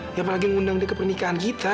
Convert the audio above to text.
siapa lagi yang undang dia ke pernikahan kita